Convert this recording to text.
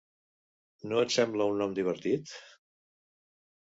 No et sembla un nom divertit?